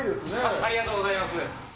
ありがとうございます。